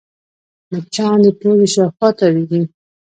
مچان د پوزې شاوخوا تاوېږي